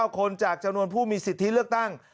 ๙คนจากจำนวนผู้มีสิทธิเลือกตั้ง